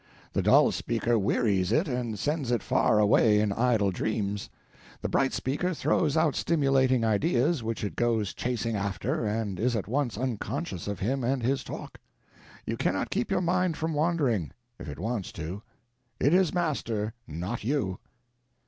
The dull speaker wearies it and sends it far away in idle dreams; the bright speaker throws out stimulating ideas which it goes chasing after and is at once unconscious of him and his talk. You cannot keep your mind from wandering, if it wants to; it is master, not you.